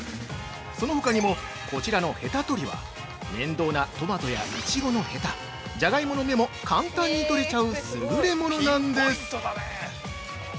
そのほかにもこちらのヘタ取りは、面倒なトマトやイチゴのヘタ、ジャガイモの芽も簡単に取れちゃう優れモノなんです。